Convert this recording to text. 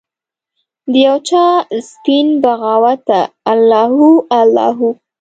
د یوچا سپین بغاوته الله هو، الله هو